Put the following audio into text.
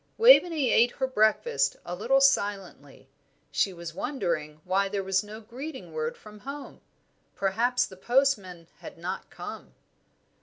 Waveney ate her breakfast a little silently; she was wondering why there was no greeting word from home. Perhaps the postman had not come.